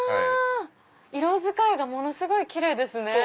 色使いがものすごいキレイですね。